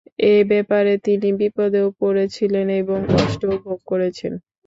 এ ব্যাপারে তিনি বিপদেও পড়েছিলেন এবং কষ্টও ভোগ করেছেন।